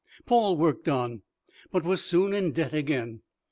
Paul worked on, but was soon in debt again.